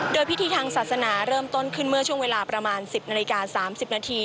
โดยพิธีทางศาสนาเริ่มต้นขึ้นเมื่อช่วงเวลาประมาณ๑๐นาฬิกา๓๐นาที